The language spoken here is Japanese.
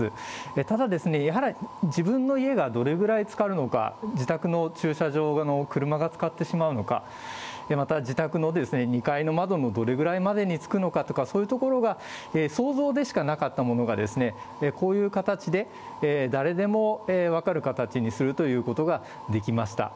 ただ、自分の家がどれぐらいつかるのか、自宅の駐車場の車がつかってしまうのか、また、自宅の２階の窓のどれぐらいまでにつくのかとかそういうところが、想像でしかなかったものが、こういう形で誰でも分かる形にするということができました。